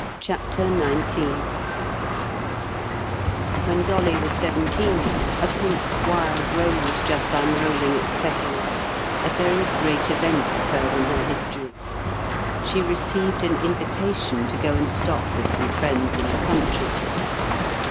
CHAPTER XIX When Dolly was seventeen, a pink wild rose just unrolling its petals, a very great event occurred in her history. She received an invitation to go and stop with some friends in the country.